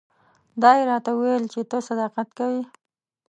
دا یې راته وویل چې ته صداقت کوې.